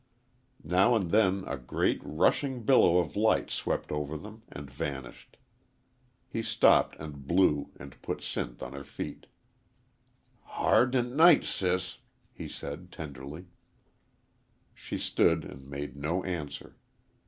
Now and then a great, rushing billow of light swept over them and vanished. He stopped and blew and put Sinth on her feet. "Hard n night, sis," said he, tenderly. She stood and made no answer.